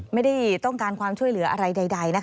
ไม่ได้ต้องการความช่วยเหลืออะไรใด